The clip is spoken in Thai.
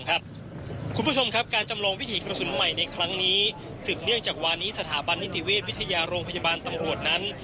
คุณผู้ชมครับการจำลองวิถีกระสุนใหม่ในครั้งนี้สืบเนื่องจากวันนี้สถาบันนิติเวชวิทยาโรงพยาบาลตำรวจนั้น